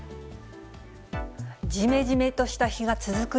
じめじめとした日が続く